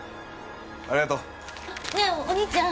ありがとう。ねえお兄ちゃん。